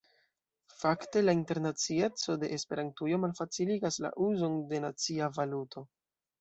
Fakte la internacieco de Esperantujo malfaciligas la uzon de nacia valuto.